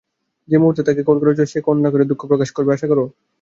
যে মুহূর্তে তাকে কল করেছ সে কন্না করে দুঃখ প্রকাশ করবে আশা করো?